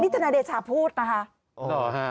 นี่ทนายเดชาบพูดนะฮะ